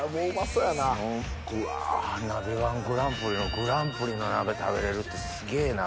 うわ鍋−１グランプリのグランプリの鍋食べれるってすげぇな。